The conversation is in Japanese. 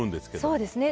そうですね。